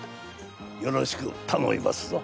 よろしくたのみますぞ。